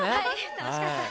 楽しかった。